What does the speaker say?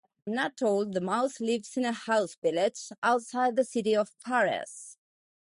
Anatole the mouse lives in a mouse village outside the city of Paris.